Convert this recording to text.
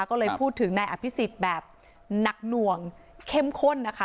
ก็เลยพูดถึงนายอภิษฎแบบหนักหน่วงเข้มข้นนะคะ